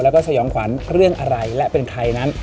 แล้วก็สยองขวัญเรื่องอะไรและเป็นใครนั้น